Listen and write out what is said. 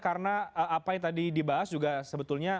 karena apa yang tadi dibahas juga sebetulnya